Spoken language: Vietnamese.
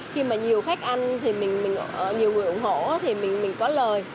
khi mà nhiều khách ăn thì mình nhiều người ủng hộ thì mình có lời